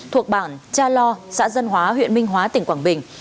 thuộc bản cha lo xã dân hóa huyện minh hóa tỉnh quảng bình